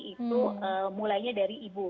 itu mulainya dari ibu